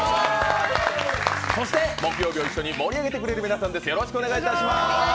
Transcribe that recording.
そして木曜日を一緒に盛り上げてくれる皆さんです。